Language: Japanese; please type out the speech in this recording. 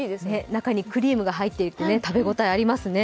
中にクリームが入っていて食べ応えありますね。